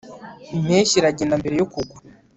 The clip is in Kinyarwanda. impeshyi iragenda mbere yo kugwa